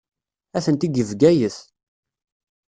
Atenti deg Bgayet.